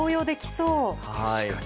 確かに。